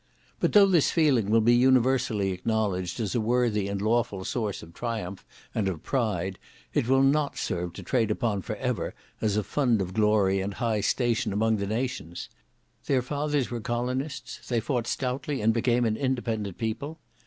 But though this feeling will be universally acknowledged as a worthy and lawful source of triumph and of pride, it will not serve to trade upon for ever, as a fund of glory and high station among the nations. Their fathers were colonists; they fought stoutly, and became an independent people.